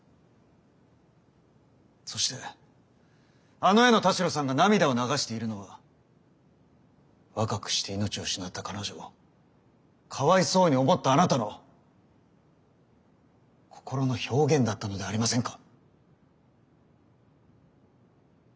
そしてあの絵の田代さんが涙を流しているのは若くして命を失った彼女をかわいそうに思ったあなたの心の表現だったのではありませんか？